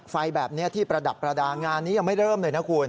ไฟแบบนี้ที่ประดับประดาษงานนี้ยังไม่เริ่มเลยนะคุณ